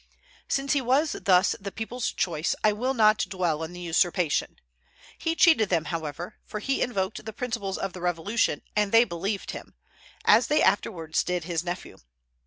Since he was thus the people's choice, I will not dwell on the usurpation. He cheated them, however; for he invoked the principles of the Revolution, and they believed him, as they afterwards did his nephew.